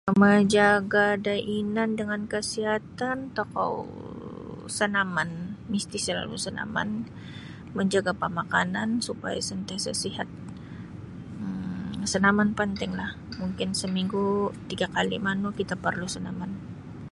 Mamajaga da inan dengan kesihatan tokou sanaman misti salalu sanaman manjaga pemakanan supaya sentiasa sihat um sanaman pantinglah mungkin seminggu tiga kali manu kita perlu sanaman.